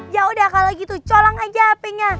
yaudah kalau gitu colang aja hpnya